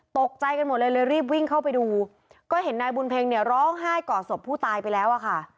ตกใจกันหมดเลยเลยรีบวิ่งเข้าไปดูก็เห็นนายบุญเพ็งเนี่ยร้องไห้ก่อศพผู้ตายไปแล้วอะค่ะ